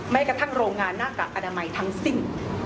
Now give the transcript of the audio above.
แม้กระทั่งโรงงานหน้ากากอนามัยทั้งสิ้น